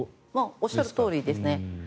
おっしゃるとおりです。